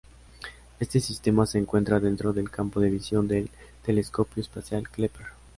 Este sistema se encuentra dentro del campo de visión del telescopio espacial Kepler.